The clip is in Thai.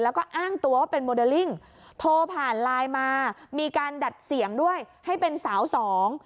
แล้วก็อ้างตัวว่าเป็นโมเดลลิ่งโทรผ่านไลน์มามีการดัดเสียงด้วยให้เป็นสาวสอง